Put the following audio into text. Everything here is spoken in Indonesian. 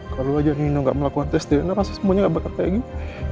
kalau aja nino gak melakukan tes dna maksudnya semuanya gak bakal kayak gini